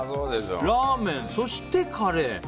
ラーメン、そしてカレー。